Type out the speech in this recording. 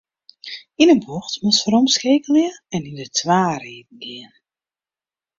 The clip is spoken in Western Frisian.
Yn in bocht moatst weromskeakelje en yn de twa riden gean.